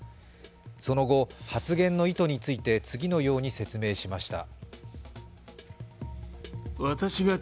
その後、発言の意図について、次のように説明しました。